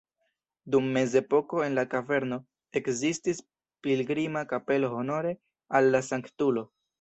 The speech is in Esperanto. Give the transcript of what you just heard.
Dum mezepoko en la kaverno ekzistis pilgrima kapelo honore al la sanktulo.